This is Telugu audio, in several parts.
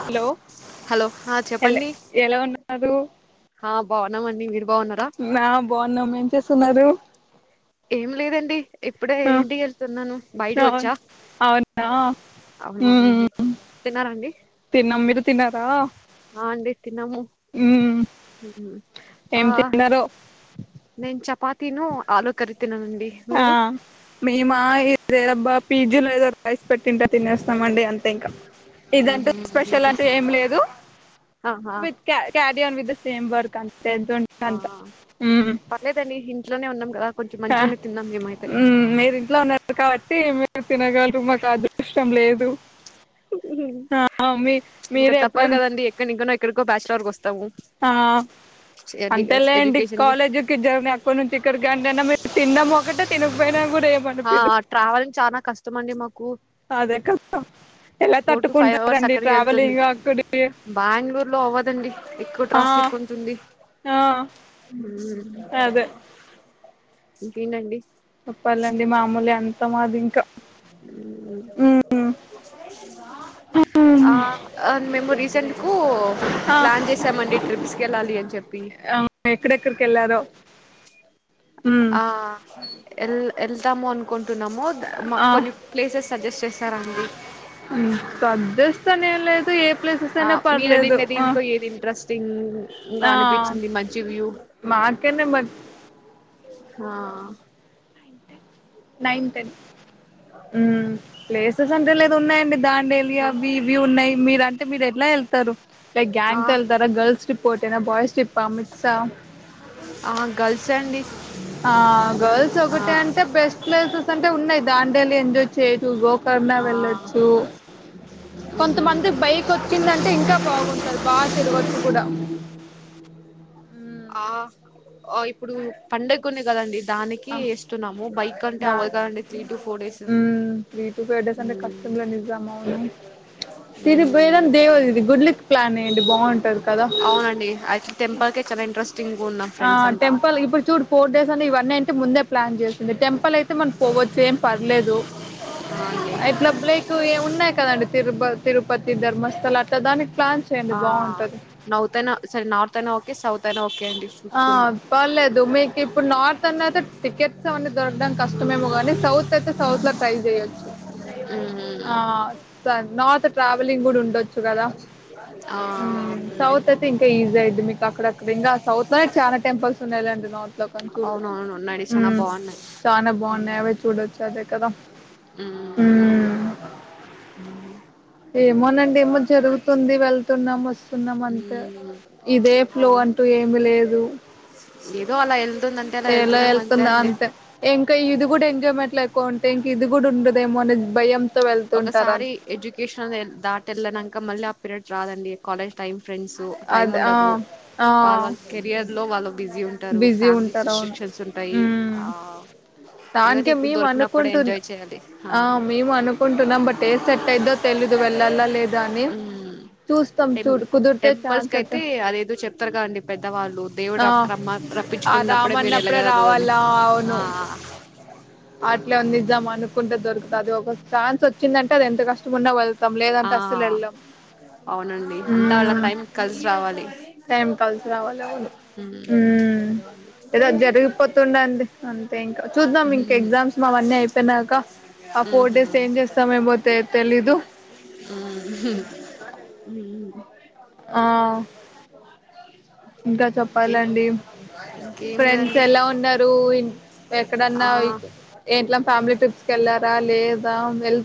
హలో హలో ఆ హలే ఎలా ఉన్నారూ హా బాగున్నామండి మీరు బాగున్నారా నా బావున్నాం ఏం చేస్తున్నారు ఏం లేదండి ఇప్పుడే ఆ ఇంటికి వెళ్తున్నాను బయటకి అవును వచ్చా అవునా ఉమ్ అవునవునండి తిన్నార అండి తిన్నాం మీరు తిన్నారా ఆ అండి. తిన్నాము ఉమ్ ఆ ఏం తిన్నారు నేను చెప్ పాతిను ఆలు కర్రీ తిన్నానండి ఆ మీరు మేమ ఇదేరబ్బా పిజి లో ఏదో రైస్ పెట్టింటే తినేస్తామండి అంతే ఇంకా ఇదంటూ ఉహు. స్పెషల్ అంటూ ఏం లేదు ఆహా with carry on with the same work అ తెంట ఆ అంత పర్లేదండి ఇంట్లోనే ఉన్నాం కదా కొంచెం త మంచిగానే తిన్నాం మేమైతే హ్మ్ మీరు ఇంట్లో ఉన్నారు కాబట్టి అయితే ఏమేమి తినగలరూ మాకు అదృష్టం లేదు ఆ మీ ఇంకా మీరే తప్పదు ఎప్పుడన్ కదండి ఎక్కడ ఇంకన ఇక్కడికో బ్యాచిలర్ గా ఆ అంతే లేండి ఎడ్యుకేషన్ కి కాలేజీకి జర్ని అక్క నుంచి ఇక్కడికిండి అనా మము తిన్నాం ఒకటే తినక పోయిన బె ఆ ట్రావెల్ చానా కష్టం అండి మాకు ఎక్కు అదే కదా ఎలా ఫోర్ టు ఫైవ్ అవర్స్ తట్టుకుంటారండి అక్కడికి వెళ్తుంది ట్రావెలింగ్ అక్కడి బెంగ్ళూరు లో అవ్వదండి ఎక్కువ ఆ ట్రాఫిక్ ఉంటుంది ఆ అదే ఇంకేంటండీ చెప్పాలండి మామూలే అంతా మాది ఇంకా మ్ ఆ మేము రీసెంట్ కు ఆ ప్లాన్ చేసామండి ట్రిప్స్కి వెళ్ళాలి. అని చెప్పి ఆ ఎక్కడెక్కడికి వెళ్ళారో మ్ ఆ ఎల్ ఎళ్తామోన్క్ కుంటున్నాము. మాక్ ఆ కొన్ని ప్లేసెస్ సజెస్ట్ చేస్తారా అండి. ఉమ్ సజెస్ట్ అని ఏం లేదు ఏ ప్లేసెస్ ఆ అయినా మీరు పర్లేదు వెళ్ళిన ఆ దీంట్లో ఏది ఇంట్రెస్టింగ్ గా ఆ అనిపించింది. మంచి వ్యూ మాకనే మ ఆహ్ నైన్న్, టెన్ ఉహ్ హు ప్లేసెస్ అంటే లేదు ఉన్నాయండి దాన్ నేలి అవి ఇవి ఉన్నాయి. మీరం అంటే మీరు ఎట్లా వెళ్తారు. టే ఆ ఆ గ్యాంగ్ తో వెళ్తారా గర్ల్స్ రిపోర్ట్ తేన బాయ్స్ ట్రిప్ అమిత్ షా ఆ గర్ల్స్ అండి ఆహ్ గర్ల్స్ ఆ ఒకటి అంటే బెస్ట్ ప్లేసెస్ అంటే ఉన్నాయి. దాం టోటల్లి ఎంజాయ్ చేయటంలో కర్నా ఆ వెళ్ళచ్చు. మ్మ్ కొంతమంది బైక్ వచ్చిందంటే ఇంకా బాగుంటది. బాగా తిరగచ్చు కూడా. మ్మ్ ఆ ఇప్పుడు పండకునే కదండి దానికి ఆ వేస్తున్నాము బైక్ అంటే దా అవ్వదు కదండి త్రీ టు ఫోర్ డేస్ ఉహ్మ్ త్రీ టు ఫైవ్ డేస్ అంటే మ్మ్ కష్టం లెండి. నిజాం అవును తిది బేదం దేవది ఇది గుడ్లకి ప్లాన్ ఎయ్యండి బాగుంటది కదా. అవునండి యాక్చువల్ టెంపుల్ కే చాలా ఇంట్రెస్టింగ్ ఉన్నాం ఆ ఫ్రెండ్స్ అంతా టెంపల్ ఇప్పుడు చూడు ఫోర్ డేస్ ఇవన్నీ అంటే ముందే ప్లాన్ చేసింది. టెంపుల్ అయితే మనం పోవచ్చు ఏం పర్లేదు. ఆ అండి అట్లా్లక్ ఏం ఉన్నాయి కదండి తిరు తిరుపతి, ధర్మస్థల అట్లా దానికి ప్లాన్ చేయండి ఆ బాగుంటది నౌతన్న సరే నార్త్ అనే ఓకే సౌత్ ఒకే అండి ఆ చూస్తున్నాం పర్లేదు మీకు ఇప్పుడు నార్త్ అన్న అయితే. టికెట్స్ అవన్నీ దొరకడానికి కష్టమేమో కానీ సౌత్ అయితే సౌత్ లో ట్రై చేయొచ్చు. మ్మ్ ఆహ్ సా నార్త్ ట్రావెలింగ్ కూడా ఉండొచ్చు. కదా. ఆ ఉహ్ సౌత్ అయితే ఇంకా ఈజీ అయిద్ది మీకు అక్కడ్ బెంగాల్ సౌత్ లోనే చాలా టెంపుల్స్ ఉన్నాయిలేండి. నార్త్ లో కాని చూడొచ్చు. అవునవును ఉన్నాడి చాలా ఉహ్ బాగున్నాయి చానా బాగున్నాయి. అవే చూడొచ్చు అదే కదా. ఉహ్మ్ ఉమ్ ఏమోనండి. ఏమో జరుగుతుంది వెళ్ తునమస్త్ స్తున్నామంతే మ్మ్ ఇదే ప్లో అంటూ ఏమి లేదు. ఎదో అలా ఎల్ ఎలా వెళ్తుందా అంతే ఇంకా ఇది కూడా ఎంజాయ్మెట్ లెద్ కొంటే ఇంకా ఇది కూడా ఉండదేమో అనేద్ భయం ఒకసారి ఎడ్యుకేషన్ దాట వెళ్ళనంక మళ్ళీ ఆ పీరియడ్ రాదండి కాలేజ్ టైమ్ ఫ్రెండ్స్ టైమ్ అదే ఆ ఉండదు ఆ వాళ్ళ వాళ్ళ కెరియర్ లో వాళ్ళ బిజీ ఉంటారు బిజీ ఫ్యామిలీస్ ఉంటారు అవును రిస్ట్రిక్షన్స్ ఉంటాయి ఆ ఉమ్ ఏదంటే దానికే ఇప్పుడు మేము దొరికినప్పుడే అనుకుంటున్న ఎంజాయ్ చేయాలి ఆ మేము అనుకుంట్ ంటున్నాం బట్ ఏద్ సెట్ అయిందో తెలీదు వెళ్ళలా లేదా అని ఉమ్ చూస్తాం టెం చూడు కుదిరితే టెంపుల్స్ ఛాన్స్ కి ఎత్తం అయితే దేవుడురమ్మ రప్పించుకున్నప్పుడే మీరు ఎళగరు అని రావాలా లో నిజమని కుంటే దొరుకుతది ఒక ఛాన్స్ వచ్చ చ్చిందంటే అది ఎంత కష్టంన్నా వళ్ తం ఆ లేదంటే అసలు వెళ్ళం అవునండి అంతా అలా మ్ టైం కలిసి రావాలి టైం కలిసి రావాలి అవును ఉమ్ ండి అం మ్ అయిపోయినాక ఆ ఫోర్ ఉహూ డేస్ ఏం చేస్తామేమో తె తెలీదు ఉ ఉహు ఉమ్ ఆ ఆ ఇంకా ఇంకేను చెప్పాలండి ఇంకేం ఫ్రెండ్స్ లేదండి. ఎలా ఉన్నారు ఇం ఆ! ఎక్కడన్నా ఏట్ల ఫ్యామిలీ ట్రిప్స్ కి వెళ్ళారా ర లేద వెల్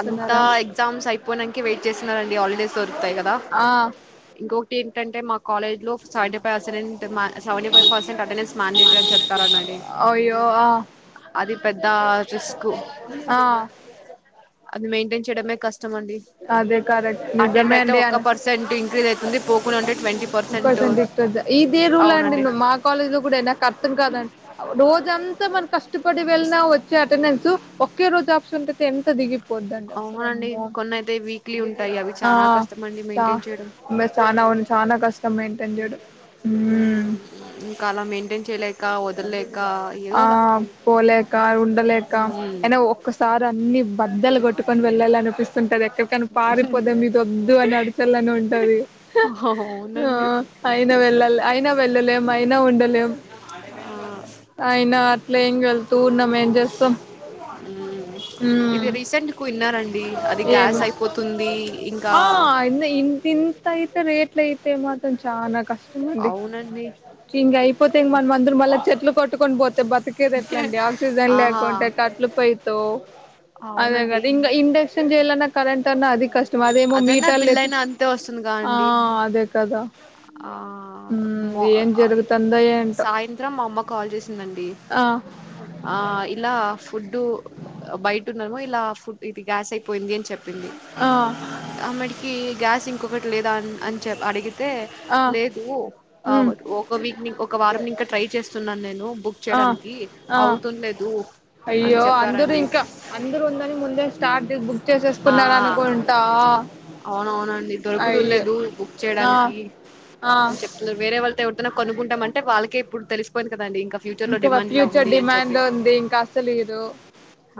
అంతా ఎగ్జామ్స్ అయిపోయినంకి వెయిట్ చేస్తున్నరండి హాలిడేస్ దొరుకుతాయి కదా ఆ ఇంకొ ఏంటంటే మా కాలేజ్ లో సాడ్డే పాసరిన్ మ సేవంటి ఫైవ్ పర్సెంట్ అతనే స్మాన్ ఇంట్రెస్ట్ చెప్తారనండి అయ్యో ఆ అది ఆ జస్కు ఆ అది మెయింటైన్ చేయడమే కష్ అదే కరెక్ట్ నిజమే అయితే అండి ఒక్క అన్ పర్సెంట్ ఇంక్రీజ్ అయితుంది. పోకుండా ఉంటే పర్సె ఇదే రలా అండి అవునండి. మా కాలేజ్ లో కూడా అయినా కర్తంకాదండి రోజంతా మనం కష్టపడి వెళ్ళిన వచ్చే అటెండెన్స్ ఒక్కే రోజు ఆప్షన్ట్ అయితే ఎంత దిగి పోద్దండి అసలు అవునండి. అమ్మొ కొన్నయితే వీక్లీ ఉంటాయి. అవి ఆ చానా కష్టమండి మెయింటైన్ చేయడం. చ మే సానఒన్ని సాన కష్టం మెయిన్ టెన్ చేయడం ఉమ్ ఇంకా అలా మెయింటైన్ చేయలేక వ [inaudible] ఆ పోలేక ఉండలేక అయినా ఒక్కసారి అన్ని బద్దలు కొట్టుకొని వెళ్ళాల అనిపిస్తుంటది ఎక్కడికైనా పారిపోదా ఇది వద్దు అని అడచాలని ఉంటది ఆ అవునండి అయిన వెళ్ళ అయినా వెళ్ళలేం అయినా ఉండలేం ఆ అయినా అట్లే ఏం వెళ్తూ ఉన్నాం ఏం చేస్తాం ఇది ఉమ్ రీసెంట్ కు ఇన్నారండి అది గ్యాస్ ఏమి అయిపోతుంది ఇంకా ఆ ఇ ఇంత ఇంత యితే రేట్ల యితే మ చాలా కష్ట ష్టం అండి అవునండి ఇంక అయిపోతే ఇంక మనమ అందరం మళ్ళ చెట్లు కొట్టుకని పోతే బతకేది ఎట్లా అండి ఆక్సిజన్ ఆహా లేకుంటే కట్లు పోయితో అదే అవునండి కద ఇంకా ఇండక్షన్ చేయాలనా కరెంట్ అధిక అదనా బిల్ అయినా అంతే వస్తుందిగా ఆ అండి అదే కదా ఆ మ్ మ ఏం జరుగుతందో ఏంటో సాయంత్రం మా అమ్మ కాల్ చేసిందండి ఆ ఆ ఇలా ఫుడ్ బయట ఉన్నాము ఇలా ఫుడ్ ఇది గ్యాస్ అయిపోయింది అని చెప్పింది ఆ అమెడికి గ్యాస్ ఇంకొకటి లేదా అని చెప్ప అడిగి అ ఆ లేదు మ్ ఒక వక్ ఒక వారంం ట్రై చే సున్నా నండి ఆ ఆ అని అయ్యో అందరు చెప్పారండి ఇంకా అందరు ఉందని ముందే స్టార్ట్ బుక్ ఆ చేసేసుకున్నార అనుకుంటా అవునవునండి దొరుకుతుండ అయ్యో లేదు బుక్ ఆ చేయడానికి ఆ అని చెప్తున్నారు వేరే వాళ్ళు ఎడుతున్నానుక్కుంటా అంటే వాళ్ళక ఇప్పు తెసిపోయింది ఇంకా ఫ్యూచర్ డిమాండ్ ఉంది ఇంకా అసలు ఇరు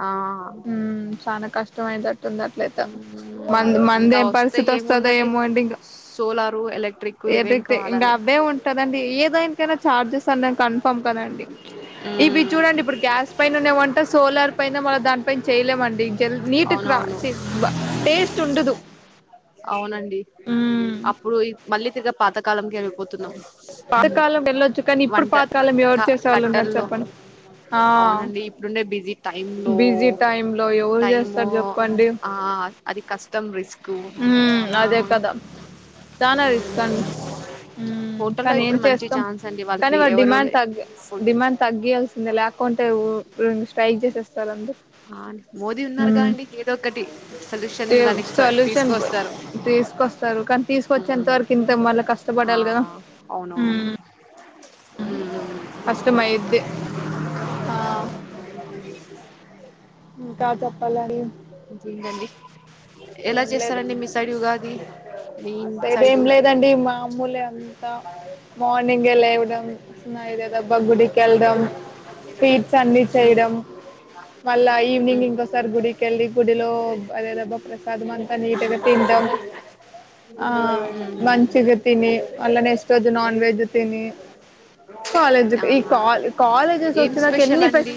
ఆ మ్మ్ చనాా కష్టం అయిత న్నట్లయితే మ్మ్. మ మంది ఇంకా ఏం వస్తే పరిస్థితి వస్తుందో ఏముందండి ఏమో అంటే ఇంకా సోలారు ఎలక్ట్రిక్ ఇవే వెతికితే ఇంకా వాడాలి అవే ఉంటదండి ఏ దానికైనా చార్జెస్ అండి కన్ఫర్మ్ పంకదండి ఇవి మ్మ్. చూడండి ఇప్పుడు గ్యాస్ పైన ఉన్నావంట సోలార్ పైన మళ్ళ దాంట్ చేయల్మంటేం నట్క అవునవును టేస్ట్ ఉండదు ఇగా పాత కాలంకి పోతున్నాం పాతకాలం వెళ్ళొచ్చు కానీ ఇప్పుడు వంట పాతకాలం ఎవరు క చేసే వాళ్ళు ఉన్నారు కట్టల్లో చెప్పండి ఆ అవునండి ఇప్పుడుండే బిజీ టై లో బిజీ టైమ్ లో ఎవరు టైమూ చేస్తారు చెప్పండి ఆ అది కష్టం రిస్క్ హ్మ్ చానా అదే కదా చానా రిస్క్ అది మ్ హోటల్లో కానీ ఏం ఇప్పుడు మంచి చేస్తాం ఛాన్స్ అండి కానీ వాళ్ళకి వాళ్లు ఎవరు డిమాండ్ తగ్గి ఫుడ్ డిమాండ్ తగ్గాయాల్సిందే లేకుంటే మ్ స్ట్రైక్ చేసేస్తారు అందరు మోదీ ఉన్నారుగా ఉమ్ అండి ఏదొ ఒకటి సొల్యూషన్ దానికి పర్ తీసు సొల్యూషన్ తీసుకొస్తారు కానీ తీసుకొచ్చేంత ఉమ్, వరకు ఇంతె మళ్ళీ ఆ కష్టపడాలి గా మ్మ్ కష్టమైద్ది ఆ ఇంకా చెప్పాలండి ఇంకేంటండి ఎలా ఏం లేదు చేస్తారండి మీ సైడ్ ఉగాది మా మీ సైడ్ ఏం సైడు లేదండి మామూలె అంతా మార్నింగె లేవ్ న్నాయిదద బబ [inaudible] అన్ని మ్మ్ చేయడం మళ్ళా ఈవనింగ్ మ్మ్ ఇంకోసారి గుడికెళ్ళి గుడిలో అదేదబా ప్రసాదం అంతా నీట్గా తింటాం ఆ మ్మ్ మంచిగ తిని మళ్ళా నెక్స్ట్ రోజు నాన్ వెజ్ తిని కాలేజ్కూ ఈ ఆహా కా కాలేజెస్ ఏం వచ్చినాక స్పెషల్ అండి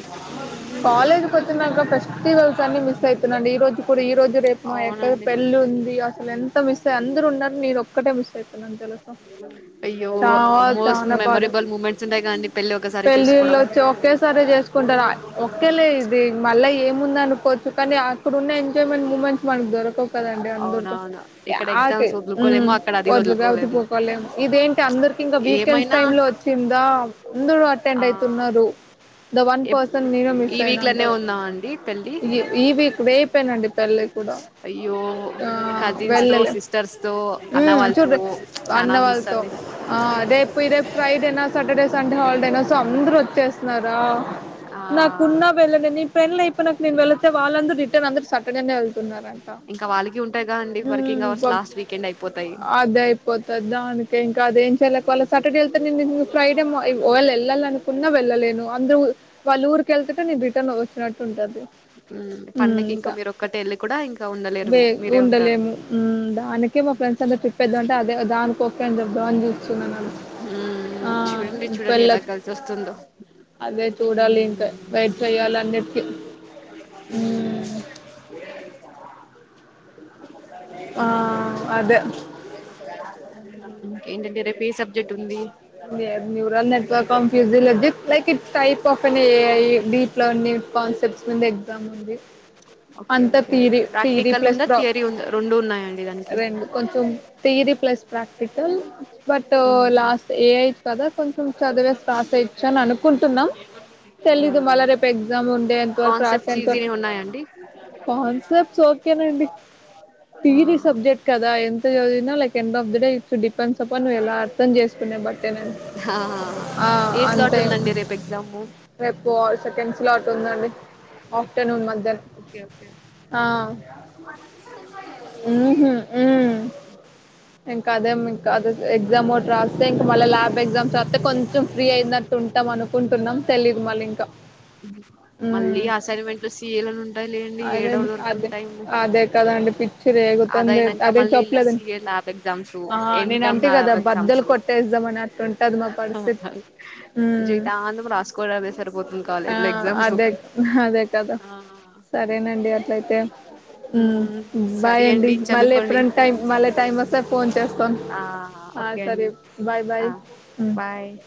కా ఫెస్టివల్స్ అన్ని మిస్ అవుతున్నా అండి ఈ రోజు కూడా ఈ రోజు రేపు మా అక్కది అవునండి పెళ్లి ఉంది అసలు ఎంత మిస్ అయ్యంత అందరు ఉన్నారు నను ఒక్కటే మిస్ ఐతు తెలుసా అయ్యో చాల్ మోస్ట్ చాలా బాధ మెమొరబుల్ మూమెంట్స్ ఉంటాయి కదండి పెళ్ళి ఒకసారి పెళ్ళిళ్ళు చేసుకోవడం వచ్చి ఒకే సారి చేసుకుంటారు ఒకేలే మళ్ళ ఏముంద అనుకోవచ్చు కానీ అక్కడ ఉన్న ఎంజాయ్ంట్ మూమెంట్ మనకు దొరక కదండి అందరితో అవునవును ఇక్కడ ఎగ్జామ్స్ వదులుకోలేము అక్కడ అది వలుగా [inaudible] వదులుకోలేము అవతిపోకలేం ఇదేంటి అందరికి ఇంకా వీకెండ్స్ ఏమైనా టైమ్ లో వచ్చిందా అందరు అటెండ్ ఆ అయితున్నారు ద వన్ ఎప్ పర్సన్ నేను మిస్ ఈ అయినా వీక్ లోనే ఉందాం అండి పెళ్ళి ఈ ఈ వీక్ రేపేనండి పెళ్ళ కూడా అయ్యో ఆ కజిన్స్ తో వెళ్ళలే సిస్టర్స్ తో అన్న మ్ చూడ వాళ్ళతో చానా మిస్ అన్నవాళ్ళతో అండి హా రేపు రేపు ఫ్రైడేనా సాటర్డే సన్ హాల్డేనా అందరు వచ్చేస్తున్నార్ ఆ ఆ నాకున్న వెళ్ళ నె పెళ్ళ అయిపోయి నా నేను వెళతే వాళ్ళందరూ రిటర్న్ అందరు సటర్డేనె వెళ్తున్నారంట ఇంకా వాళ్ళకి ఉంటాయి కదండి వర్కింగ్ అవర్స్ లాస్ట్ వీకెండ్ అయిపోతాయి అదే అయిపోతది దానికంక అదే [inaudible] చెల్ల సాటర్డే వెళ్తే నేను ఫ్రైడే మా ఒకవేల వెళ్లాలి అనుకున్న వెళ్ళలేను అందరు వాళ్ళ ఊరుకిళ్తుటె నెన్ టన్ వచ్చినట్టుంటది ఉమ్ హు పండకి ఇంకా మీరు ఒక్కటే వెళ్ళి కూడా ఇంకా ఉండలేరు మీరే ఉంటారు ఉండలేము మ్ దానికి మా ఫ్రెండ్స్ అందర్ ట్రిప్పేద్దాం అంటే అదే దానికోస ాన్ూ ఉమ్ [inaudible] ఆ చూడండి ఇం చూడండి పెళ్ళ ఎలా కలిసి వస్తుందో అదె చూడాలి ఇంకా ఉమ్ వై తల నొప్పి [unintelligible] ఆ! అదే. [unintelligible] ఇంకేంటండి రేపు ఏ సబ్జెక్ట్ ఉంది neural network confuse [unintelligible] like it type of AI deep learning concepts మీద ఎగ్జామ్ ఉంది ఓకే అంతా okay theory theory practical plus ఉందా ప్రాబ్ థియరీ ఉందా రెండు ఉన్నాయండి దానికి రెండు కొంచెం తీరి plus practical but um, last AI కదా కొంచెం చదివేసి రాసేయొచ్చు అని అనుకుంటున్నాం తెలీదు ఉమ్. మల్ల రేప్ ఎగ్జామ్ ఉండెంతవరకు కాన్సెప్ట్స్ ఈజీనే రాసేంతవరకు ఉన్నాయండి కాన్సెప్ట్స్ ఒకే నండి ఆ, తీరీ సబ్జెక్ట్ కదా ఎంత చెప్ దివిన like end of the day it's depends up on నువ్ ఎలా అర్థం చెస్ కునే బట్టేన ఆ, ఆ ఏ స్లాట్ అంటే ఉందండి రేపు ఎగ్జాము రేపు సెకండ్ స్లాట్ ఉందండి ఆఫ్టర్నూన్ మధ్య ఓకే ఓకే ఉహు ఉ [unintelligible] ఇంకా అదేం ఇంకా ఎగ్జామ్ ఒకటి రాస్తే ఇంక మళ్ళ ల్యాబ్ ఎగ్జామ్స్ రాస్తే కొంచెం ఫ్రీ అయినట్టు ఉంటది అనుకుంటున్నాం తెలిదు మళ్లీ ఇంక మళ్ళీ అసైన్మెంట్ లో సీఏలులను ఉంటాయిలేండి అదే ఏడవ దొరుకుతుంది అదే టైము అదే కదండి పిచ్చి అది రేగుతుంది అయినాక అదే మళ్ళీ ఇలా చెప్పలేదు సిఎ లాబ్ ఎగ్జామ్ ఆ నేను అంటే కదా ఎగ్జామ్స్ బద్దలు కొట్టేద్దామని అట్టుంటది మా పరిస్థితి [unintelligible] ఉమ్ జీవితాంతం రాసుకోవడమే సరిపోతుంది ఆ కాలేజ్ లో ఎగ్జామ్స్ అదే అదే కదా ఆ సరేనండి అట్లయితే హు మ్మ్ బాయ్ సరి అండి మళ్ళీ చదువుకోండి ఎప్పుడనా టైం మళ్ళీ టైం వస్త స్తే ఫోన్ చేస్తాను ఆ ఓకే సరే అండి బాయ్ బాయ్ ఆ బాయ్